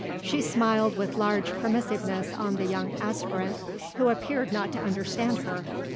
She smiled with large permissiveness on the young aspirant, who appeared not to understand her.